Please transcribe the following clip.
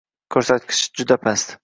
Ko'rsatkich juda past